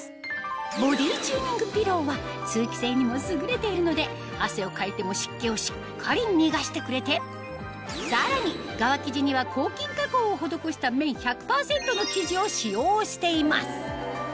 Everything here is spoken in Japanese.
ボディチューニングピローは通気性にも優れているので汗をかいても湿気をしっかり逃がしてくれてさらに側生地には抗菌加工を施した綿１００％の生地を使用しています